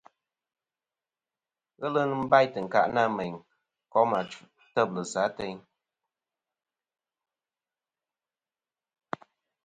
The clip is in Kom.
Ghelɨ nɨn bâytɨ̀ ɨnkâʼ nâ mèyn bayn ndosɨ ateyn, fî kom têblɨ̀sɨ̀, nɨ̀ mɨ̀kûyn, nɨ̀ mɨchî, nɨ̀ ɨ̀bwàʼ achfɨ a ndosɨ ateyn.